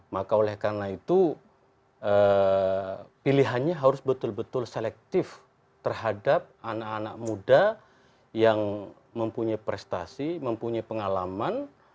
maka oleh karena itu pilihannya harus betul betul selektif terhadap anak anak muda yang mempunyai prestasi mempunyai pengalaman